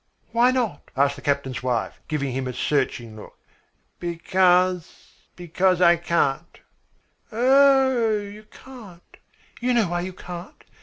"Why not?" asked the captain's wife, giving him a searching look. "Because because I can't." "Oh h h, you can't? You know why you can't.